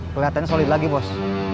keliatannya solid lagi bos